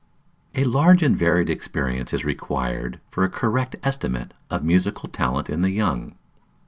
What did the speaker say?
A large and varied experience is required for a correct estimate of musical talent in the young.